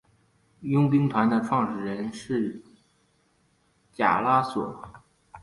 佣兵团的创始人是贾拉索。